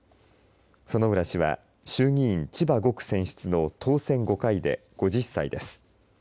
薗浦氏は衆議院千葉５区選出の当選５回で５０歳です。